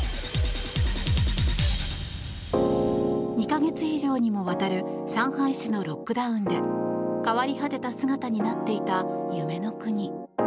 ２か月以上にもわたる上海市のロックダウンで変わり果てた姿になっていた夢の国。